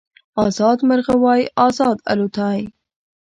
ازاد مرغه وای ازاد الوتای